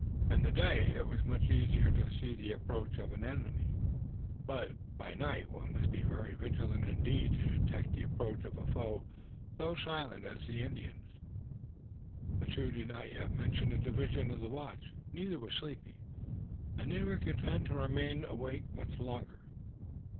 In the day it was much easier to see the approach of an enemy, but by night one must be very vigilant indeed to detect the approach of a foe so silent as the Indian. The two did not yet mention a division of the watch. Neither was sleepy and they were content to remain awake much longer.